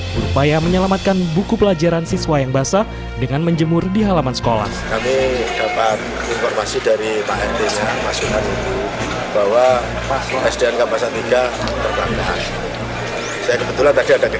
berupaya menyelamatkan buku pelajaran siswa yang basah dengan menjemur di halaman sekolah